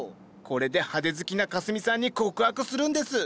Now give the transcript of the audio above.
これで派手好きなかすみさんに告白するんです！